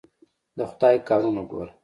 د خدای کارونه ګوره.